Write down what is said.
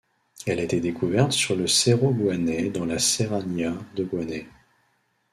Elle a été découverte sur le Cerro Guanay dans la Serranía de Guanay.